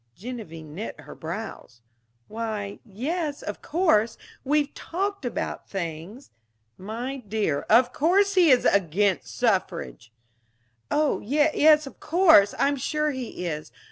Genevieve knit her brows. "Why, yes of course, we've talked about things " "My dear, of course he is against suffrage." "Oh yes, of course. I'm sure he is.